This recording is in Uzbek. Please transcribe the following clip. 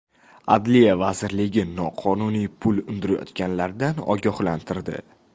Adliya vazirligi noqonuniy pul undirayotganlardan ogohlantirdi